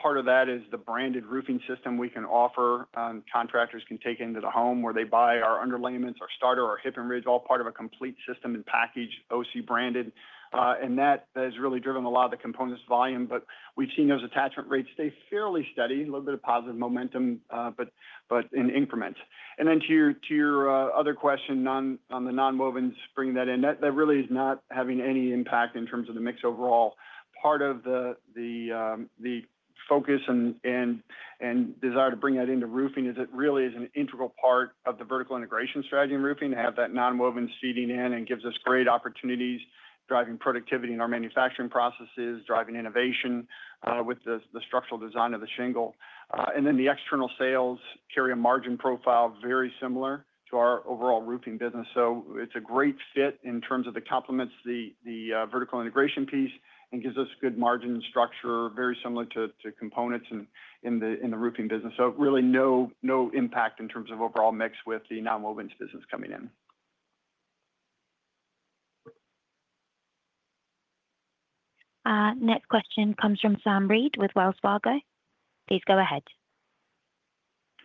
Part of that is the branded roofing system we can offer contractors can take into the home where they buy our underlayments, our starter, our hip and ridge, all part of a complete system and package, OC branded. That has really driven a lot of the components volume, but we've seen those attachment rates stay fairly steady, a little bit of positive momentum, but in increments. To your other question on the non-wovens, bringing that in, that really is not having any impact in terms of the mix overall. Part of the focus and desire to bring that into roofing is it really is an integral part of the vertical integration strategy in roofing to have that non-woven seeding in and gives us great opportunities, driving productivity in our manufacturing processes, driving innovation with the structural design of the shingle. The external sales carry a margin profile very similar to our overall roofing business. It's a great fit in terms of the complements, the vertical integration piece, and gives us good margin structure, very similar to components in the roofing business. Really no impact in terms of overall mix with the non-wovens business coming in. Next question comes from Sam Reid with Wells Fargo. Please go ahead.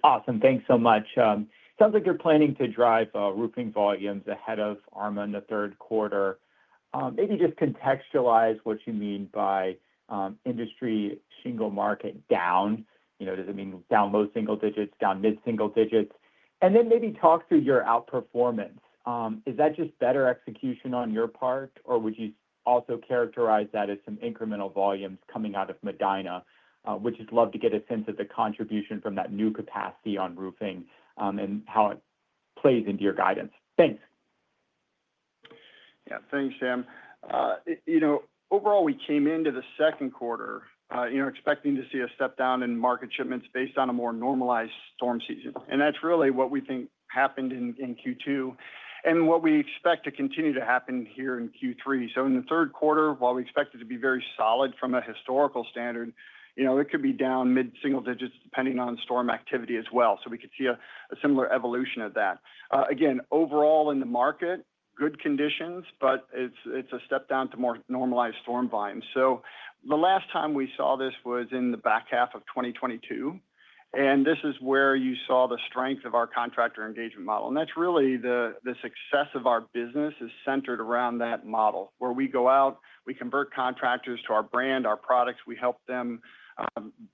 Awesome. Thanks so much. Sounds like you're planning to drive roofing volumes ahead of ARMA in the third quarter. Maybe just contextualize what you mean by industry shingle market down. Does it mean down low single digits, down mid-single digits? Maybe talk through your outperformance. Is that just better execution on your part, or would you also characterize that as some incremental volumes coming out of Medina, which I'd love to get a sense of the contribution from that new capacity on roofing and how it plays into your guidance? Thanks. Yeah, thanks, Sean. Overall, we came into the second quarter expecting to see a step down in market shipments based on a more normalized storm season. That's really what we think happened in Q2 and what we expect to continue to happen here in Q3. In the third quarter, while we expect it to be very solid from a historical standard, it could be down mid-single digits depending on storm activity as well. We could see a similar evolution of that. Overall in the market, good conditions, but it's a step down to more normalized storm volumes. The last time we saw this was in the back half of 2022. This is where you saw the strength of our contractor engagement model. That's really the success of our business, centered around that model where we go out, we convert contractors to our brand, our products, we help them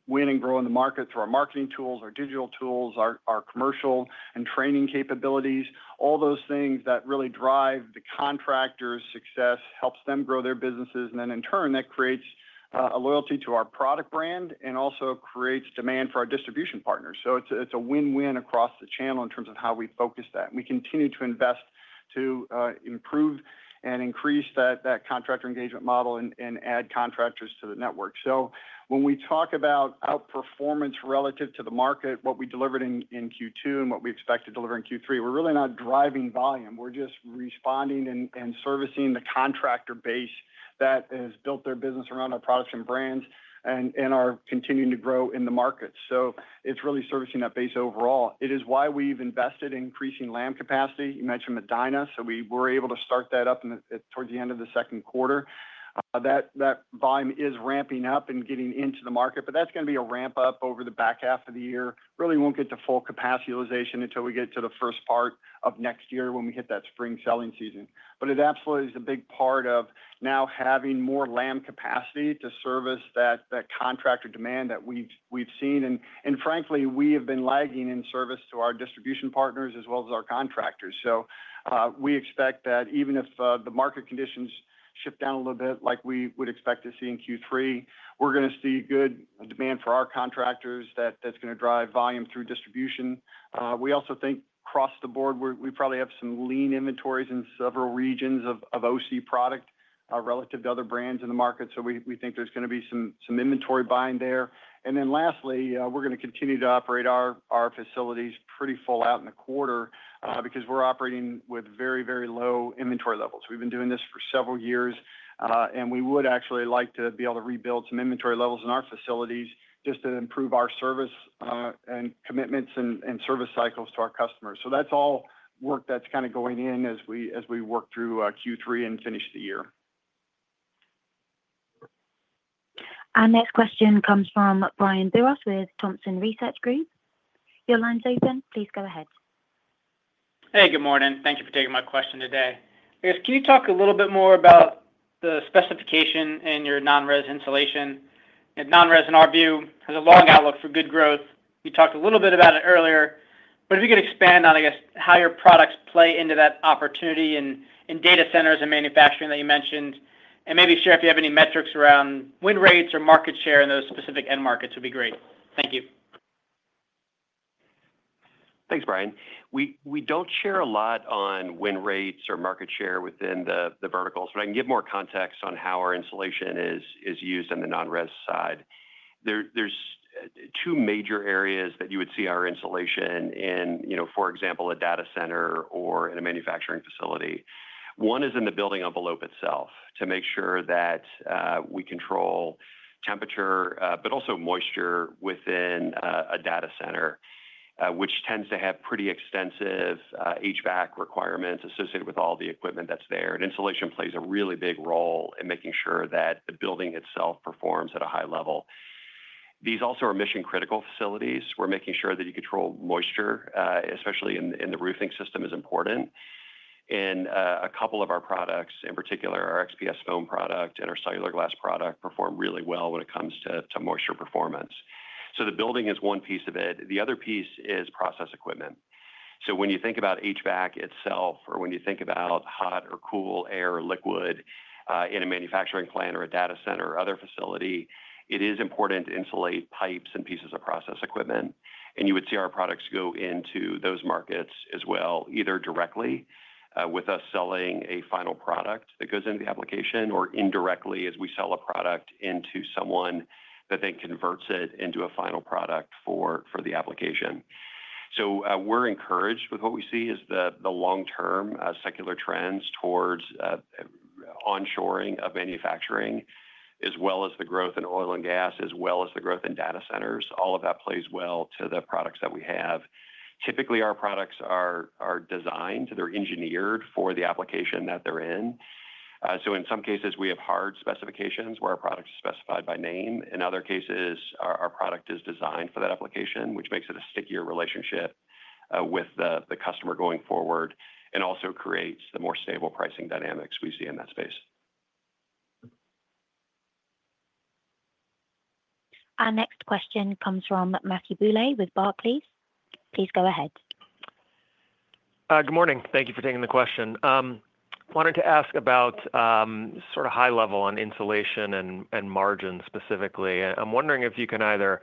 win and grow in the market through our marketing tools, our digital tools, our commercial and training capabilities, all those things that really drive the contractor's success, helps them grow their businesses. In turn, that creates a loyalty to our product brand and also creates demand for our distribution partners. It's a win-win across the channel in terms of how we focus that. We continue to invest to improve and increase that contractor engagement model and add contractors to the network. When we talk about outperformance relative to the market, what we delivered in Q2 and what we expect to deliver in Q3, we're really not driving volume. We're just responding and servicing the contractor base that has built their business around our products and brands and are continuing to grow in the markets. It's really servicing that base overall. It is why we've invested in increasing laminate shingle capacity. You mentioned Medina, so we were able to start that up towards the end of the second quarter. That volume is ramping up and getting into the market, but that's going to be a ramp up over the back half of the year. Really won't get to full capacity utilization until we get to the first part of next year when we hit that spring selling season. It absolutely is a big part of now having more laminate shingle capacity to service that contractor demand that we've seen. Frankly, we have been lagging in service to our distribution partners as well as our contractors. We expect that even if the market conditions shift down a little bit like we would expect to see in Q3, we're going to see good demand for our contractors that's going to drive volume through distribution. We also think across the board, we probably have some lean inventories in several regions of OC product relative to other brands in the market. We think there's going to be some inventory buying there. Lastly, we're going to continue to operate our facilities pretty full out in the quarter because we're operating with very, very low inventory levels. We've been doing this for several years, and we would actually like to be able to rebuild some inventory levels in our facilities just to improve our service and commitments and service cycles to our customers. That's all work that's kind of going in as we work through Q3 and finish the year. Our next question comes from Brian Biros with Thompson Research. Your line's open. Please go ahead. Hey, good morning. Thank you for taking my question today. Can you talk a little bit more about the specification in your non-res insulation? Non-res in our view has a long outlook for good growth. You talked a little bit about it earlier, but if you could expand on how your products play into that opportunity in data centers and manufacturing that you mentioned, and maybe share if you have any metrics around win rates or market share in those specific end markets, that would be great. Thank you. Thanks, Brian. We don't share a lot on win rates or market share within the verticals, but I can give more context on how our insulation is used on the non-res side. There are two major areas that you would see our insulation in, for example, a data center or in a manufacturing facility. One is in the building envelope itself to make sure that we control temperature, but also moisture within a data center, which tends to have pretty extensive HVAC requirements associated with all the equipment that's there. Insulation plays a really big role in making sure that the building itself performs at a high level. These also are mission-critical facilities. Making sure that you control moisture, especially in the roofing system, is important. A couple of our products, in particular, our XPS foam product and our cellular glass product, perform really well when it comes to moisture performance. The building is one piece of it. The other piece is process equipment. When you think about HVAC itself, or when you think about hot or cool air or liquid in a manufacturing plant or a data center or other facility, it is important to insulate pipes and pieces of process equipment. You would see our products go into those markets as well, either directly with us selling a final product that goes into the application or indirectly as we sell a product into someone that then converts it into a final product for the application. We are encouraged with what we see as the long-term secular trends towards onshoring of manufacturing, as well as the growth in oil and gas, as well as the growth in data centers. All of that plays well to the products that we have. Typically, our products are designed, they're engineered for the application that they're in. In some cases, we have hard specifications where our products are specified by name. In other cases, our product is designed for that application, which makes it a stickier relationship with the customer going forward and also creates the more stable pricing dynamics we see in that space. Our next question comes from Matthew Bouley with Barclays. Please go ahead. Good morning. Thank you for taking the question. Wanted to ask about sort of high level on insulation and margins specifically. I'm wondering if you can either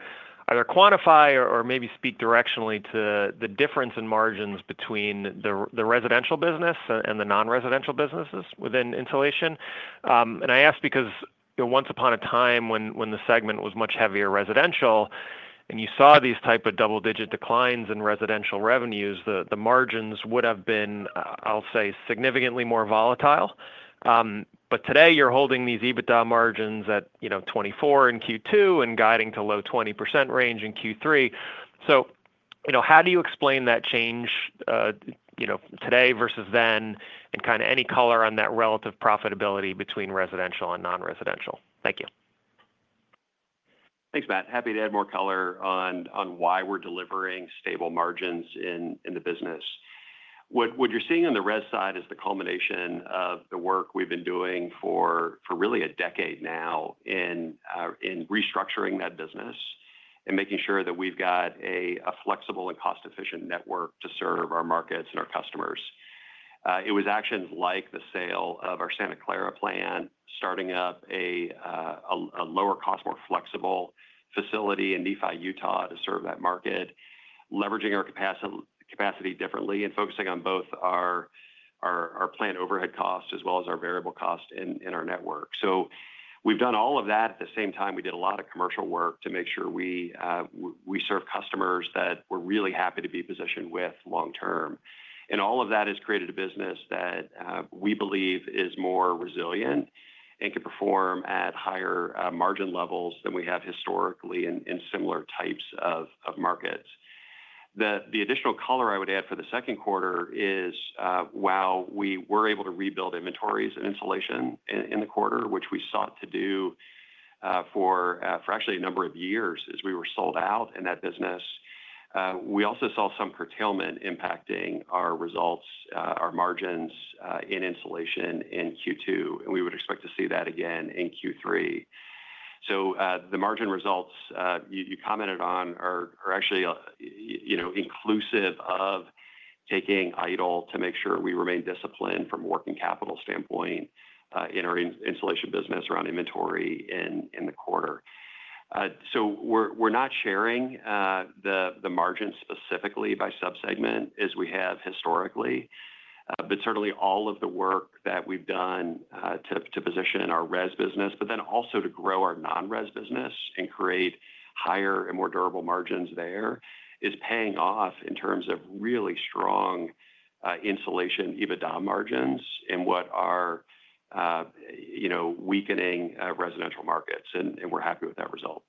quantify or maybe speak directionally to the difference in margins between the residential business and the non-residential businesses within insulation. I ask because once upon a time when the segment was much heavier residential and you saw these types of double-digit declines in residential revenues, the margins would have been, I'll say, significantly more volatile. Today you're holding these EBITDA margins at 24% in Q2 and guiding to low 20% range in Q3. How do you explain that change today versus then and kind of any color on that relative profitability between residential and non-residential? Thank you. Thanks, Matt. Happy to add more color on why we're delivering stable margins in the business. What you're seeing on the res side is the culmination of the work we've been doing for really a decade now in restructuring that business and making sure that we've got a flexible and cost-efficient network to serve our markets and our customers. It was actions like the sale of our Santa Clara plant, starting up a lower cost, more flexible facility in Nephi, Utah, to serve that market, leveraging our capacity differently and focusing on both our plant overhead cost as well as our variable cost in our network. We've done all of that at the same time. We did a lot of commercial work to make sure we serve customers that we're really happy to be positioned with long term. All of that has created a business that we believe is more resilient and can perform at higher margin levels than we have historically in similar types of markets. The additional color I would add for the second quarter is while we were able to rebuild inventories in insulation in the quarter, which we sought to do for actually a number of years as we were sold out in that business, we also saw some curtailment impacting our results, our margins in insulation in Q2, and we would expect to see that again in Q3. The margin results you commented on are actually inclusive of taking idle to make sure we remain disciplined from a working capital standpoint in our insulation business around inventory in the quarter. We're not sharing the margins specifically by subsegment as we have historically, but certainly all of the work that we've done to position our res business, but then also to grow our non-res business and create higher and more durable margins there is paying off in terms of really strong insulation EBITDA margins in what are weakening residential markets, and we're happy with that result.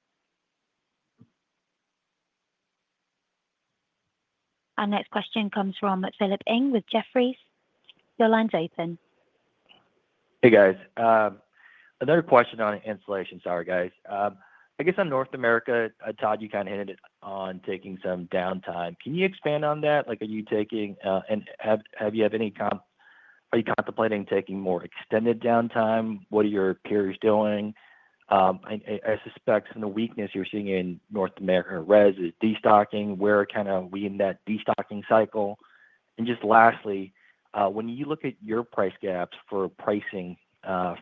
Our next question comes from Philip Ng with Jefferies. Your line's open. Hey, guys. Another question on insulation. I guess on North America, Todd, you kind of ended it on taking some downtime. Can you expand on that? Are you taking and have you had any, are you contemplating taking more extended downtime? What are your carriers doing? I suspect some of the weakness you're seeing in North American res is destocking. Where kind of are we in that destocking cycle? When you look at your price gaps for pricing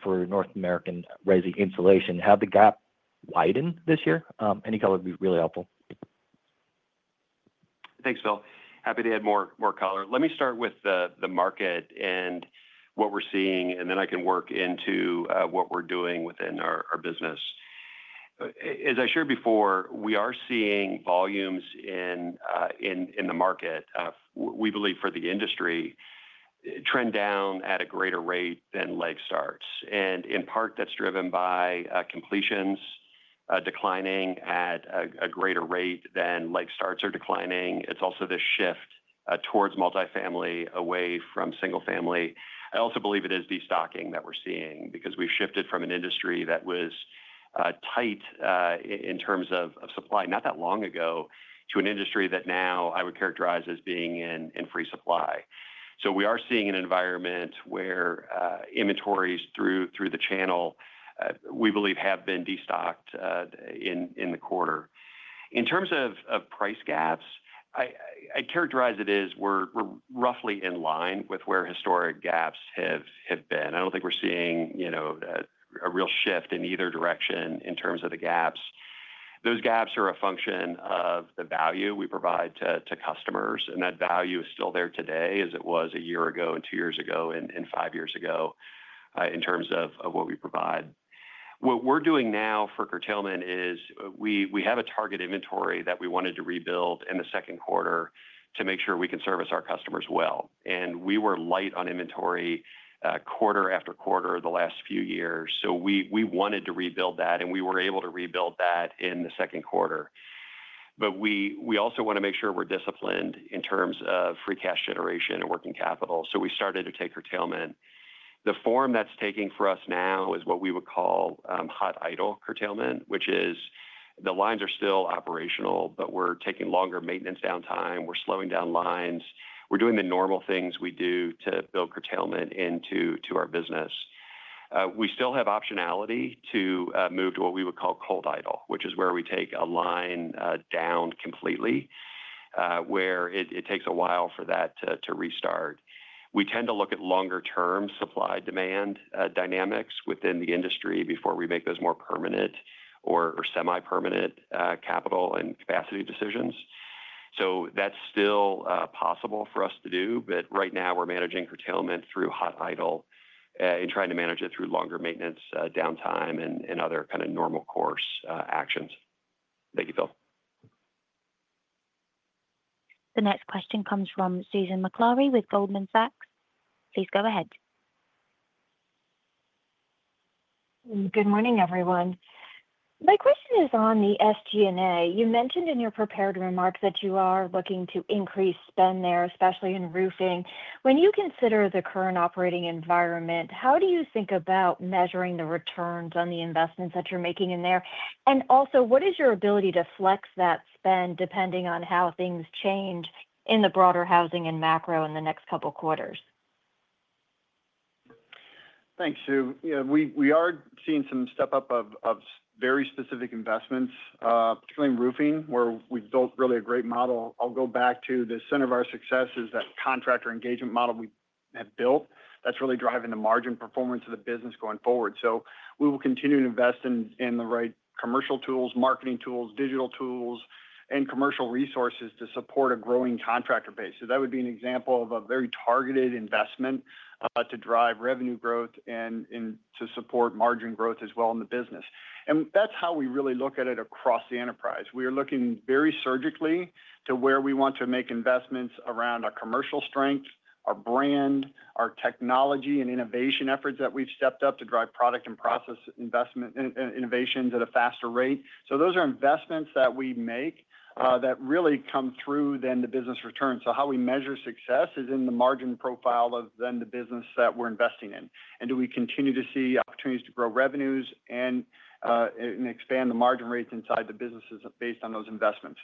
for North American res insulation, have the gap widened this year? Any color would be really helpful. Thanks, Phil. Happy to add more color. Let me start with the market and what we're seeing, and then I can work into what we're doing within our business. As I shared before, we are seeing volumes in the market. We believe for the industry, trend down at a greater rate than leg starts. In part, that's driven by completions declining at a greater rate than leg starts are declining. It's also this shift towards multifamily away from single-family. I also believe it is destocking that we're seeing because we've shifted from an industry that was tight in terms of supply not that long ago to an industry that now I would characterize as being in free supply. We are seeing an environment where inventories through the channel, we believe, have been destocked in the quarter. In terms of price gaps, I'd characterize it as we're roughly in line with where historic gaps have been. I don't think we're seeing a real shift in either direction in terms of the gaps. Those gaps are a function of the value we provide to customers, and that value is still there today as it was a year ago and two years ago and five years ago in terms of what we provide. What we're doing now for curtailment is we have a target inventory that we wanted to rebuild in the second quarter to make sure we can service our customers well. We were light on inventory quarter after quarter the last few years. We wanted to rebuild that, and we were able to rebuild that in the second quarter. We also want to make sure we're disciplined in terms of free cash generation and working capital. We started to take curtailment. The form that's taking for us now is what we would call hot idle curtailment, which is the lines are still operational, but we're taking longer maintenance downtime. We're slowing down lines. We're doing the normal things we do to build curtailment into our business. We still have optionality to move to what we would call cold idle, which is where we take a line down completely, where it takes a while for that to restart. We tend to look at longer-term supply-demand dynamics within the industry before we make those more permanent or semi-permanent capital and capacity decisions. That's still possible for us to do, but right now we're managing curtailment through hot idle and trying to manage it through longer maintenance downtime and other kind of normal course actions. Thank you, Phil. The next question comes from Susan McLaurie with Goldman Sachs. Please go ahead. Good morning, everyone. My question is on the SG&A. You mentioned in your prepared remarks that you are looking to increase spend there, especially in roofing. When you consider the current operating environment, how do you think about measuring the returns on the investments that you're making in there? Also, what is your ability to flex that spend depending on how things change in the broader housing and macro in the next couple of quarters? Thanks. We are seeing some step up of very specific investments, particularly in roofing, where we've built really a great model. I’ll go back to the center of our success is that contractor engagement model we have built that's really driving the margin performance of the business going forward. We will continue to invest in the right commercial tools, marketing tools, digital tools, and commercial resources to support a growing contractor base. That would be an example of a very targeted investment to drive revenue growth and to support margin growth as well in the business. That's how we really look at it across the enterprise. We are looking very surgically to where we want to make investments around our commercial strength, our brand, our technology, and innovation efforts that we've stepped up to drive product and process investment innovations at a faster rate. Those are investments that we make that really come through then the business return. How we measure success is in the margin profile of then the business that we're investing in. Do we continue to see opportunities to grow revenues and expand the margin rates inside the businesses based on those investments?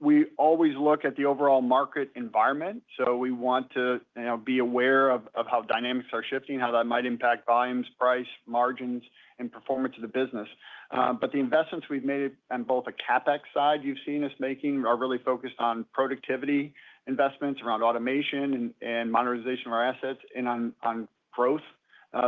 We always look at the overall market environment. We want to be aware of how dynamics are shifting, how that might impact volumes, price, margins, and performance of the business. The investments we've made on both the CapEx side you've seen us making are really focused on productivity investments around automation and monetization of our assets and on growth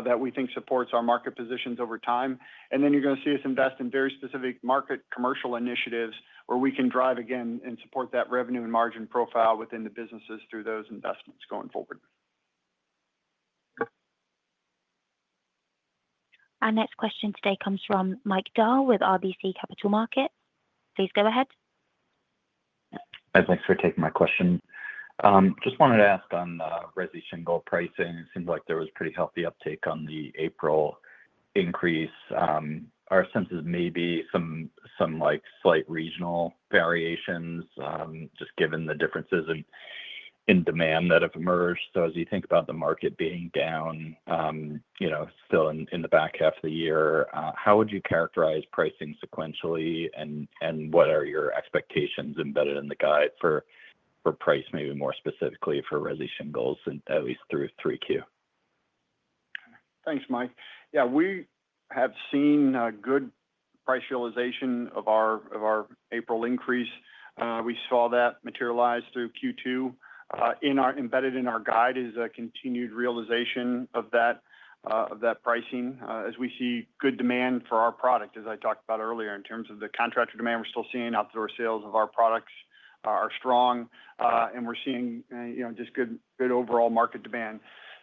that we think supports our market positions over time. You are going to see us invest in very specific market commercial initiatives where we can drive, again, and support that revenue and margin profile within the businesses through those investments going forward. Our next question today comes from Mike Dahl with RBC Capital Markets. Please go ahead. Thanks for taking my question. Just wanted to ask on res shingle pricing. It seemed like there was a pretty healthy uptake on the April increase. Our sense is maybe some slight regional variations, just given the differences in demand that have emerged. As you think about the market being down still in the back half of the year, how would you characterize pricing sequentially, and what are your expectations embedded in the guide for price, maybe more specifically for res shingles, at least through 3Q? Thanks, Mike. Yeah, we have seen good price realization of our April increase. We saw that materialize through Q2. Embedded in our guide is a continued realization of that pricing as we see good demand for our product. As I talked about earlier, in terms of the contractor demand, we're still seeing outdoor sales of our products are strong, and we're seeing just good overall market demand.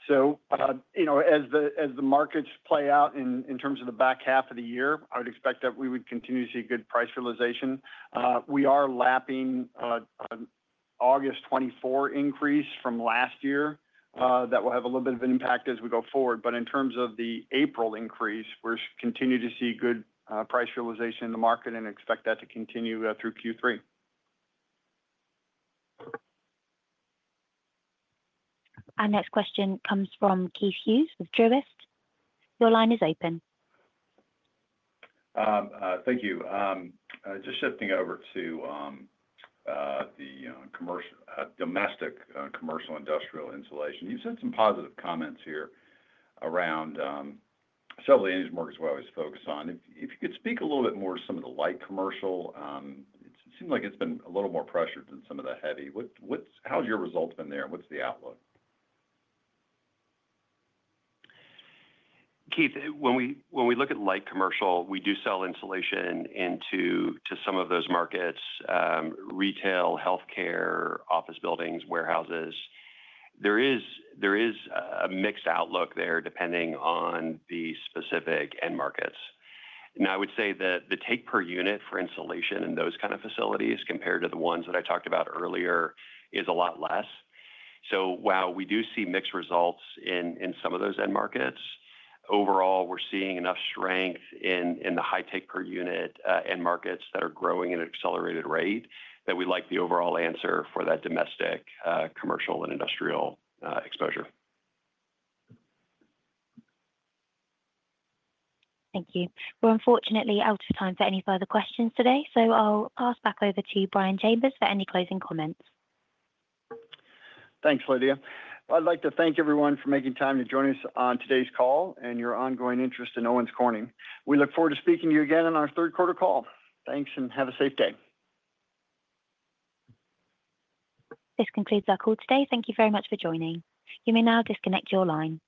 As the markets play out in terms of the back half of the year, I would expect that we would continue to see good price realization. We are lapping an August 2024 increase from last year that will have a little bit of an impact as we go forward. In terms of the April increase, we're continuing to see good price realization in the market and expect that to continue through Q3. Our next question comes from Keith Hughes with Truist. Your line is open. Thank you. Just shifting over to the domestic commercial industrial insulation, you've said some positive comments here around several of the areas of the markets we always focus on. If you could speak a little bit more to some of the light commercial, it seems like it's been a little more pressured than some of the heavy. How's your result been there, and what's the outlook? Keith, when we look at light commercial, we do sell insulation into some of those markets: retail, healthcare, office buildings, warehouses. There is a mixed outlook there depending on the specific end markets. I would say that the take per unit for insulation in those kind of facilities compared to the ones that I talked about earlier is a lot less. While we do see mixed results in some of those end markets, overall, we're seeing enough strength in the high take per unit end markets that are growing at an accelerated rate that we like the overall answer for that domestic commercial and industrial exposure. Thank you. We're unfortunately out of time for any further questions today, so I'll pass back over to Brian Chambers for any closing comments. Thanks, Lydia. I'd like to thank everyone for making time to join us on today's call and your ongoing interest in Owens Corning. We look forward to speaking to you again on our third quarter call. Thanks, and have a safe day. This concludes our call today. Thank you very much for joining. You may now disconnect your line.